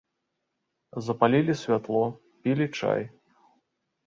Запалілі святло, пілі чай.